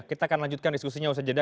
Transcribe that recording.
kita akan lanjutkan diskusinya usai jeda